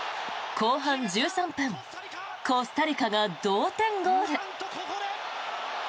後半１３分コスタリカが同点ゴール。